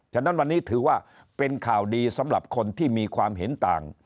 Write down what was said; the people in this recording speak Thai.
ฉะนั้นวันนี้ถือว่าเป็นข่าวดีสำหรับคนที่มีความเห็นต่าง